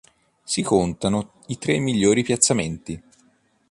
Si contano i tre migliori piazzamenti.